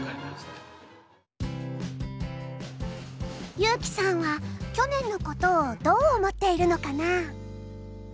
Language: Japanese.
優希さんは去年のことをどう思っているのかな？